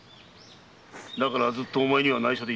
だからずっとお前には内緒でいた。